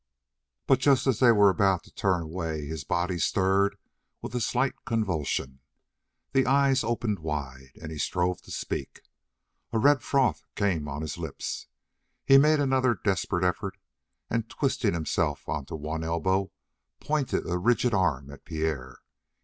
But just as they were about to turn away his body stirred with a slight convulsion, the eyes opened wide, and he strove to speak. A red froth came on his lips. He made another desperate effort, and twisting himself onto one elbow pointed a rigid arm at Pierre.